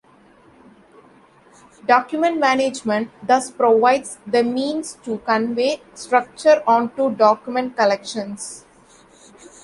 Document management thus provides the means to convey structure onto document collections.